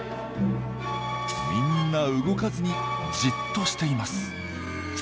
みんな動かずにじっとしています。